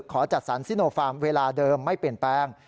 ขอจัดสรรซิโนฟาร์มเวลาเดิมไม่เปลี่ยนแปลง